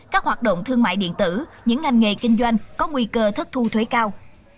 các hoạt động thương mại điện tử những ngành nghề kinh doanh có nguy cơ thất thu thuế cao